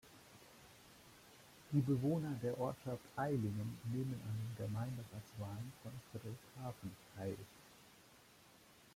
Die Bewohner der Ortschaft Ailingen nehmen an den Gemeinderatswahlen von Friedrichshafen teil.